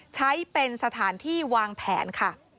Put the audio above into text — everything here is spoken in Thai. ใช้เป็นสถานที่วางแผนค่ะ